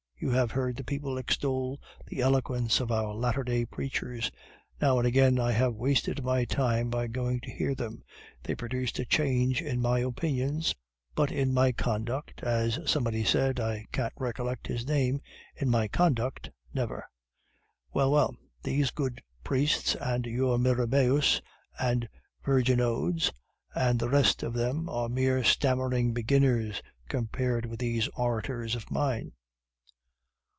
You have heard the people extol the eloquence of our latter day preachers; now and again I have wasted my time by going to hear them; they produced a change in my opinions, but in my conduct (as somebody said, I can't recollect his name), in my conduct never! Well, well; these good priests and your Mirabeaus and Vergniauds and the rest of them, are mere stammering beginners compared with these orators of mine.